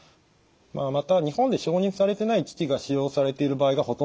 また日本で承認されてない機器が使用されている場合がほとんどです。